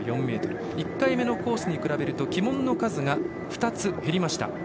１回目のコースに比べると旗門の数が２つ減りました。